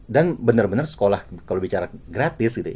dan benar benar sekolah kalau bicara gratis gitu